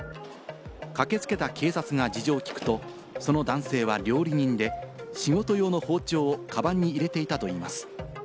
駆けつけた警察が事情を聞くと、その男性は料理人で仕事用の包丁をカバンに入れていたといいます。